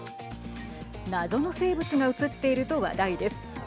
謎の生物が映っていると話題です。